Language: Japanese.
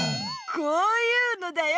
こういうのだよ！